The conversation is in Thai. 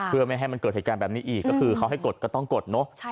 เพื่อไม่ให้มันเกิดเหตุการณ์แบบนี้อีกก็คือเขาให้กดก็ต้องกดเนอะ